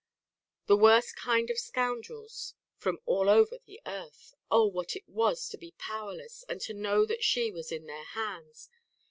The worst kind of scoundrels from all over the earth. Oh! what it was to be powerless, and to know that she was in their hands.